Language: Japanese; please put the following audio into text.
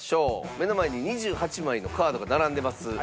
目の前に２８枚のカードが並んでます。